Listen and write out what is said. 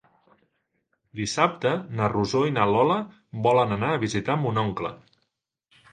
Dissabte na Rosó i na Lola volen anar a visitar mon oncle.